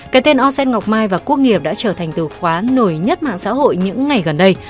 cái tên osen ngọc mai và quốc nghiệp đã trở thành từ khóa nổi nhất mạng xã hội những ngày gần đây